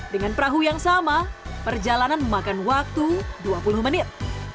dengan perahu yang sama perjalanan memakan waktu dua puluh menit